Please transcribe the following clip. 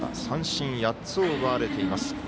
三振８つを奪われています。